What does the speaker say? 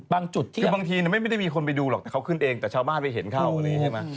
คือบางทีไม่ได้มีคนไปดูหรอกแต่เขาขึ้นเองแต่ชาวบ้านไปเห็นเข้าอะไรอย่างนี้ใช่ไหม